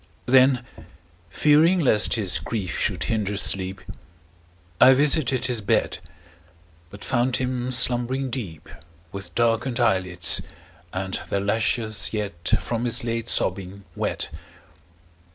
Then, fearing lest his grief should hinder sleep, I visited his bed, But found him slumbering deep, With darken'd eyelids, and their lashes yet 10 From his late sobbing wet.